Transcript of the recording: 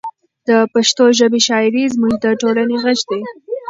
د پښتو ژبې شاعري زموږ د ټولنې غږ دی.